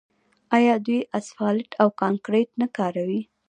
آیا دوی اسفالټ او کانکریټ نه کاروي؟